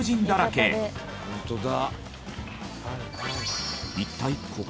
ホントだ。